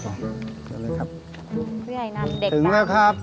พี่ใหญ่นั่นเด็กก่านถึงแล้วครับ